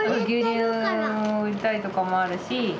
牛乳を売りたいとかもあるし